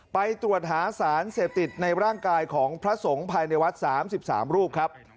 ไปตรวจหาสารเสพติดในร่างกายของพระสงฆ์ภายในวัด๓๓รูปครับ